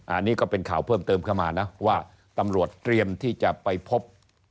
อันนี้ก็เป็นข่าวเพิ่มเติมเข้ามานะว่าตำรวจเตรียมที่จะไปพบ